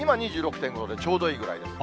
今２６．５度でちょうどいいぐらいです。